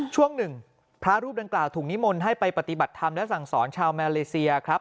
ช่วงหนึ่งพระรูปดังกล่าวถูกนิมนต์ให้ไปปฏิบัติธรรมและสั่งสอนชาวมาเลเซียครับ